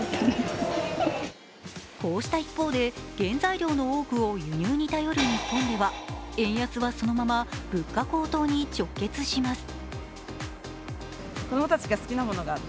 こうした一方で原材料の多くを輸入に頼る日本では円安はそのまま物価高騰に直結します。